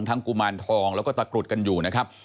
กุมารทองแล้วก็ตะกรุดกันอยู่นะครับ